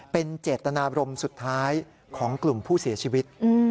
เป็นเจตนาบรมสุดท้ายของกลุ่มผู้เสียชีวิต